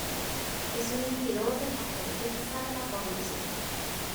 Es un inhibidor del factor Xa de la coagulación.